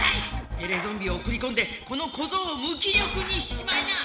テレゾンビをおくりこんでこのこぞうをむ気力にしちまいな！